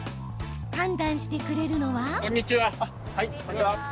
判断してくれるのは。